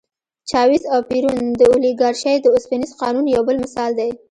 چاوېز او پېرون د اولیګارشۍ د اوسپنيز قانون یو بل مثال دی.